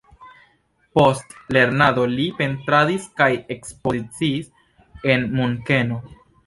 Post lernado li pentradis kaj ekspoziciis en Munkeno.